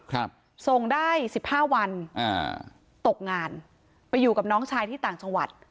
ครับส่งได้สิบห้าวันอ่าตกงานไปอยู่กับน้องชายที่ต่างจังหวัด